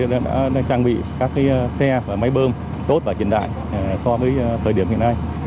đã trang bị các xe và máy bơm tốt và hiện đại so với thời điểm hiện nay